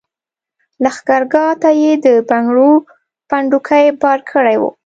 لښګرګاه ته یې د بنګړو پنډوکي بار کړي وو.